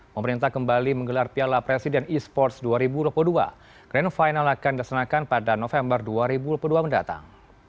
pemerintah kembali menggelar piala presiden e sports dua ribu dua puluh dua grand final akan dilaksanakan pada november dua ribu dua puluh dua mendatang